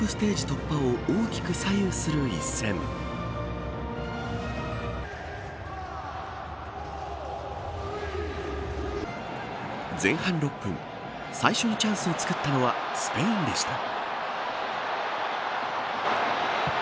突破を大きく左右する一戦。前半６分最初にチャンスを作ったのはスペインでした。